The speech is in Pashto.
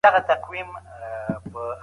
تصنع د څېړنې ارزښت له منځه وړي.